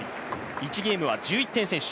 １ゲームは１１点先取。